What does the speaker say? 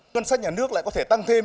nguyên sách nhà nước lại có thể tăng thêm